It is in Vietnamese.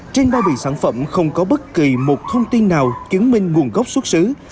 trên ba bị sản phẩm không có bất kỳ một thông tin nào kiến minh nguồn gốc xuất xứ